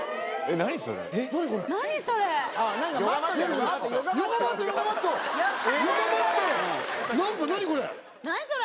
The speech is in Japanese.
何これ？